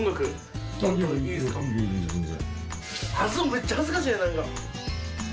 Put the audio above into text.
めっちゃ恥ずかしい。